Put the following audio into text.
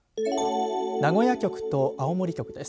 名古屋局と青森局です。